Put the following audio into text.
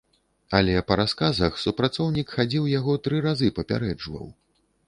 Але па расказах, супрацоўнік хадзіў яго тры разы папярэджваў.